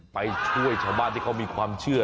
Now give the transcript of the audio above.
ไปช่วยชาวบ้านที่เขามีความเชื่อ